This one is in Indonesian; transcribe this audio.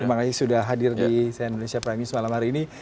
terima kasih sudah hadir di cnn indonesia prime news malam hari ini